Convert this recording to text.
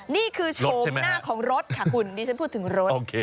โฉมหน้าของรถค่ะคุณดิฉันพูดถึงรถ